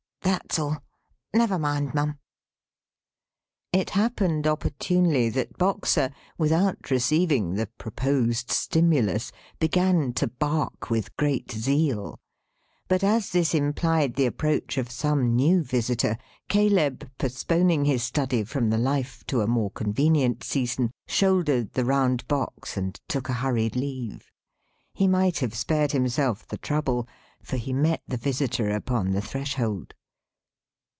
That's all. Never mind Mum." It happened opportunely, that Boxer, without receiving the proposed stimulus, began to bark with great zeal. But as this implied the approach of some new visitor, Caleb, postponing his study from the life to a more convenient season, shouldered the round box, and took a hurried leave. He might have spared himself the trouble, for he met the visitor upon the threshold.